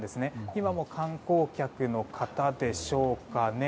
今も観光客の方でしょうかね